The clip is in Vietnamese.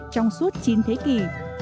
trong suốt chín thế kỷ